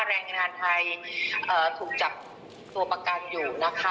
แรงงานไทยถูกจับตัวประกันอยู่นะคะ